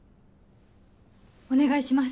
お願いします。